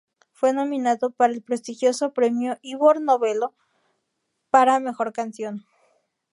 Fue nominado para el prestigioso premio Ivor Novello para mejor canción.